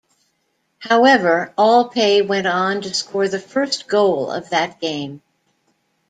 However Alpay went on to score the first goal of that game.